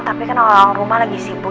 tapi kan orang rumah lagi sibuk